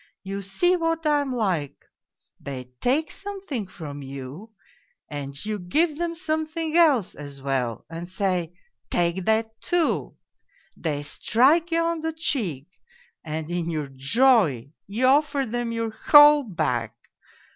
You see what I am like; they take something from you, and you give them something else as well and say, ' Take that, too.' They strike you on the cheek and in your joy you offer them your whole back.